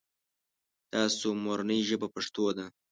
تاسو مورنۍ ژبه پښتو ده ؟